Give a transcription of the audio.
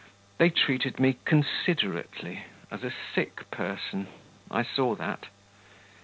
They treated me considerately, as a sick person; I saw that.